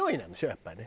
やっぱりね。